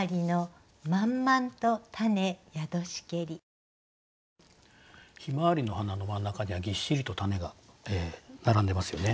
向日葵の花の真ん中にはぎっしりと種が並んでますよね。